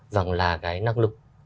rằng là cái năng lực